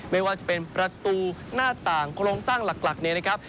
ไม่ว่าจะเป็นประตูหน้าต่างโครงสร้างหลักเนี่ยนะครับ